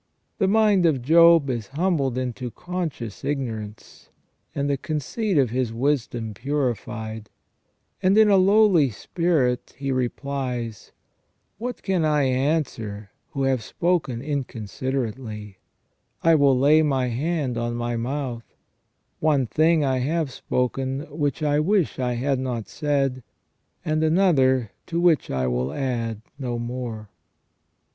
The mind of Job is humbled into conscious ignorance, and the * S. Anselm, in Epist, ad Corinth., c. xi. x66 , SELF AND CONSCIENCE conceit of his wisdom purified ; and in a lowly spirit he replies :" What can I answer, who have spoken inconsiderately ? I will lay my hand on my mouth. One thing I have spoken, which I wish I had not said ; and another, to which I will add no more."